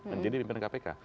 menjadi pimpinan kpk